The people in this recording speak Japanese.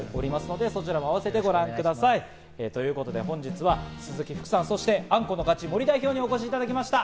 そちらもあわせてご覧ください。ということで本日は鈴木福さん、そしてあんこの勝ち・森代表にお越しいただきました。